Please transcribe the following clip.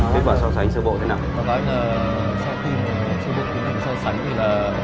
kết quả so sánh sơ bộ thế nào